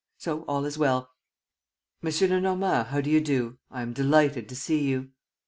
So all is well. ... M. Lenormand, how do you do? ... I am delighted to see you. .